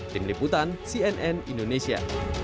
tim liputan cnn indonesia